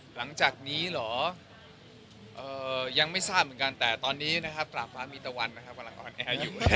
หลังจากนี้เหรอยังไม่ทราบเหมือนกันแต่ตอนนี้นะครับตราบฟ้ามีตะวันนะครับกำลังออนแอร์อยู่